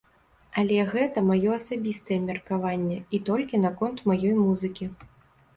Але гэта маё асабістае меркаванне і толькі наконт маёй музыкі.